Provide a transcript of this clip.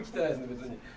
別に。